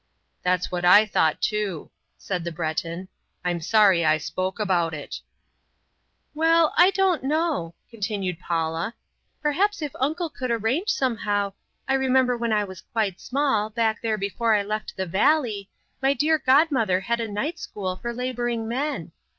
"That's what I thought too," said the Breton; "I'm sorry I spoke about it" "Well, I don't know," continued Paula. "Perhaps if uncle could arrange somehow I remember when I was quite small, back there before I left the valley, my dear god mother had a night school for laboring men.